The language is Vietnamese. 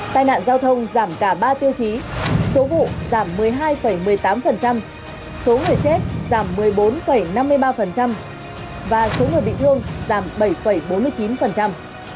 tai nạn giao thông giảm cả ba tiêu chí số vụ giảm một mươi hai một mươi tám số người chết giảm một mươi bốn năm mươi ba và số người bị thương giảm bảy bốn mươi chín